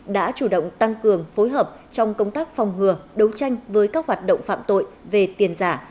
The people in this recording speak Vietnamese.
đã chủ động tăng cường phối hợp trong công tác phòng ngừa đấu tranh với các hoạt động phạm tội về tiền giả